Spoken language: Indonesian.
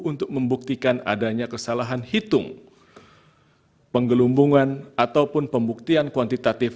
untuk membuktikan adanya kesalahan hitung penggelumbungan ataupun pembuktian kuantitatif